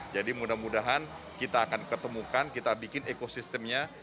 jadi mudah mudahan kita akan ketemukan kita bikin ekosistemnya